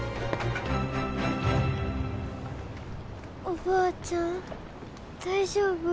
おばあちゃん大丈夫？